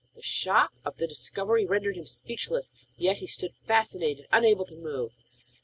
The shock of the discovery rendered him speechless, yet he stood fascinated and unable to move.